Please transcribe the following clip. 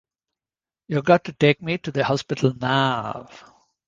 You've got to take me to the hospital now.